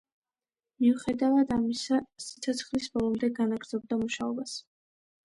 მიუხედავად ამისა, სიცოცხლის ბოლომდე განაგრძობდა მუშაობას.